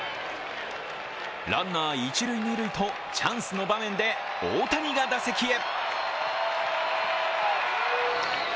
ランナー一塁・二塁とチャンスの場面で大谷が打席へ。